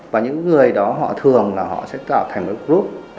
và những người đó họ thường là họ sẽ tạo thành cái group